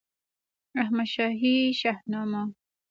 احمدشاهي شهنامه